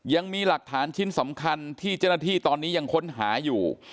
ยังมีหลักฐานชิ้นสำคัญที่เจ้าหน้าที่ตอนนี้ยังค้นหาอยู่